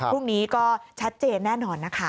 พรุ่งนี้ก็ชัดเจนแน่นอนนะคะ